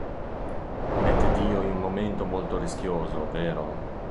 Mette Dio in un momento molto rischioso, vero?